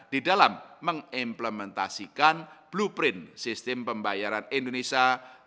di dalam mengimplementasikan blueprint sistem pembayaran indonesia dua ribu dua puluh lima